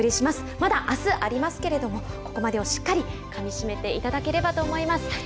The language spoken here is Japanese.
まだあすありますけれどもここまでをしっかりかみしめていただければと思います。